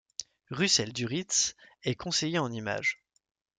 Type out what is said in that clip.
Russell Duritz est conseiller en images.